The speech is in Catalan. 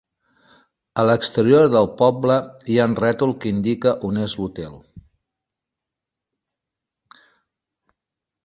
A l'exterior del poble hi ha un rètol que indica on és l'hotel.